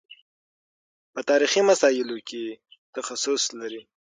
په تاریخي مسایلو کې تخصص لري.